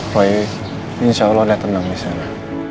roy insya allah dia tenang disana